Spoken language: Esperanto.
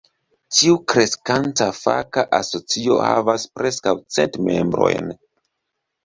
Tiu kreskanta faka asocio havas preskaŭ cent membrojn.